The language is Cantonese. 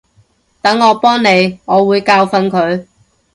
等我幫你，我會教訓佢